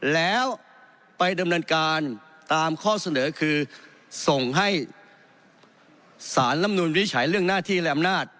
แล้วไปดำเนินการตามข้อเสนอคือส่งให้สารลำนูนวิจัยเรื่องหน้าที่และอำนาจ